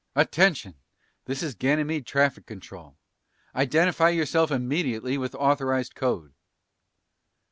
"Attention! This is Ganymede traffic control. Identify yourself immediately with authorized code!"